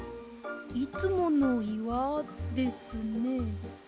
いつものいわですね。